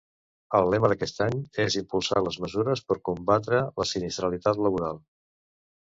El lema d'aquest any és impulsar les mesures per combatre la sinistralitat laboral.